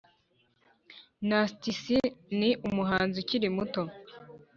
Nasty c ni umuhanzi ukiri muto